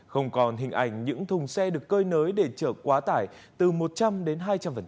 không còn hình ảnh những thùng xe được cơi nới để chở quá tải từ một trăm linh đến hai trăm linh